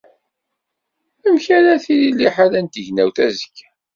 Amek ara tili liḥala n tegnewt azekka?